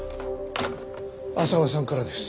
浅輪さんからです。